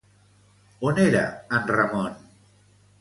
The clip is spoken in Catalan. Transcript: On era en Ramon?